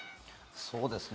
そうですね。